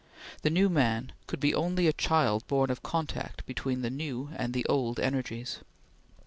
The new man could be only a child born of contact between the new and the old energies.